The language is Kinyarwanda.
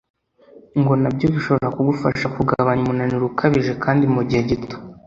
ngo nabyo bishobora kugufasha kugabanya umunaniro ukabije kandi mu gihe gito